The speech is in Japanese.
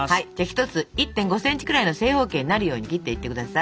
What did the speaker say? １つ１．５ｃｍくらいの正方形になるように切っていってください。